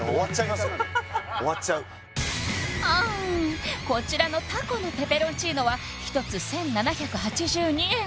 終わっちゃうあこちらのたこのペペロンチーノは１つ１７８２円